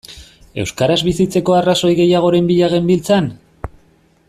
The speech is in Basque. Euskaraz bizitzeko arrazoi gehiagoren bila genbiltzan?